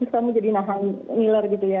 bisa menjadi nahan ngiler gitu ya